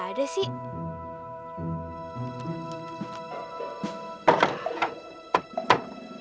eh aku jadi kepikiran taupan ya